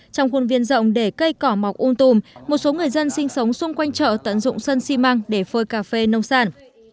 trong khuôn viên rộng để cây cỏ mọc um tùm một số người dân sinh sống xung quanh chợ tận dụng sân xi măng để phơi cà phê nông sản